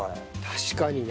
確かにね。